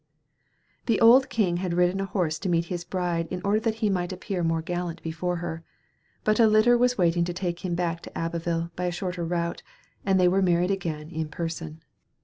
The old king had ridden a horse to meet his bride in order that he might appear more gallant before her, but a litter was waiting to take him back to Abbeville by a shorter route, and they were married again in person.